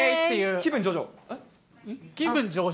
気分上々？